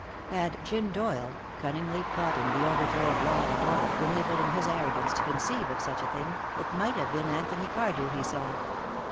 Had Jim Doyle, cunningly plotting the overthrow of law and order, been able in his arrogance to conceive of such a thing, it might have been Anthony Cardew he saw.